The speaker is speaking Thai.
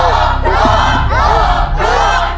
ถูก